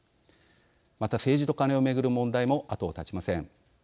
また、政治と金を巡る問題も後を絶ちません。